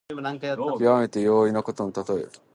きわめて容易なことのたとえ。